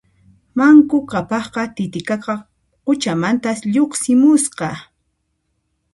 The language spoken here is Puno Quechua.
Manku Qhapaqqa Titiqaqa quchamantas lluqsimusqa